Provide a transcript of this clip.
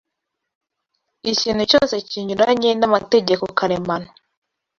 Ikintu cyose kinyuranya n’amategeko karemano